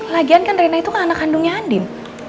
lagian kan rina itu kan anak kandungnya andin